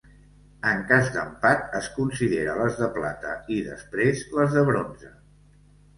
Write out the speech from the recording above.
En cas d'empat es considera les de plata i després les de bronze.